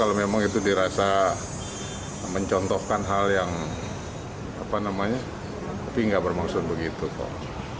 apa namanya tapi nggak bermaksud begitu kok